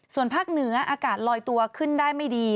ส่วนภาคเหนืออากาศลอยตัวขึ้นได้ไม่ดี